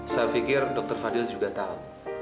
saya pikir dr fadil juga tahu